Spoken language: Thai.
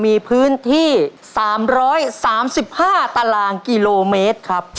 มีพื้นที่๓๓๕ตารางกิโลเมตรครับ